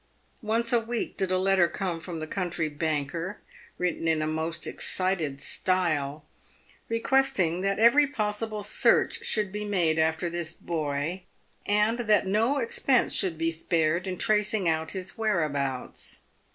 Once a week did a letter come from the country banker — written in a most excited style — re questing that every possible search should be made after this boy, and that no expense should be spared in tracing out his whereabouts.